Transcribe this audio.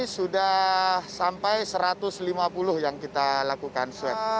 sudah sampai satu ratus lima puluh yang kita lakukan swab